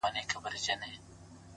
خو اوس دي گراني دا درسونه سخت كړل؛